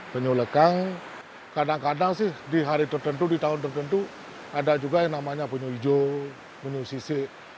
penyu lekang kadang kadang sih di hari tertentu di tahun tertentu ada juga yang namanya penyu hijau penyu sisik